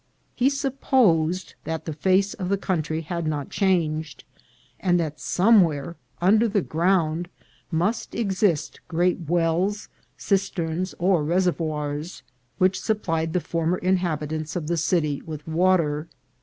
He supposed that the face of the country had not changed, and that somewhere under ground must exist great wells, cisterns, or reservoirs, which supplied the former inhabitants of the city with water.